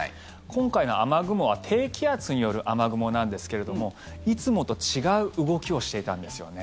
今回の雨雲は低気圧による雨雲なんですけれどもいつもと違う動きをしていたんですよね。